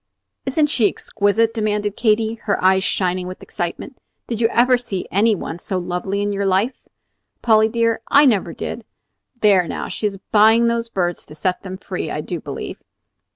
"Isn't she exquisite?" demanded Katy, her eyes shining with excitement. "Did you ever see any one so lovely in your life, Polly dear? I never did. There, now! she is buying those birds to set them free, I do believe."